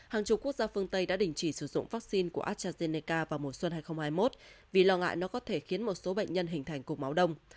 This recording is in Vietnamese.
hàng chục quốc gia phương tây đã đình chỉ sử dụng vaccine của astrazeneca vào mùa xuân hai nghìn hai mươi một vì lo ngại nó có thể khiến một số bệnh nhân hình thành cục máu đông